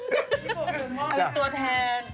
ตัวแทน